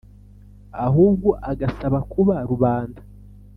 ahubwo agasaba kuba rubanda